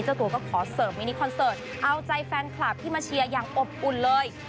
ตัวก็ขอเสิร์ฟมินิคอนเสิร์ตเอาใจแฟนคลับที่มาเชียร์อย่างอบอุ่นเลย